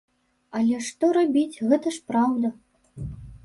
Але што рабіць, гэта ж праўда!